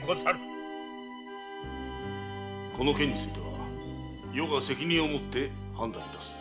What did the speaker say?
この件については余が責任を持って判断いたす。